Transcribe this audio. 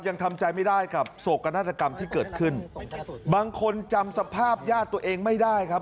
ยังทำใจไม่ได้กับโศกนาฏกรรมที่เกิดขึ้นบางคนจำสภาพญาติตัวเองไม่ได้ครับ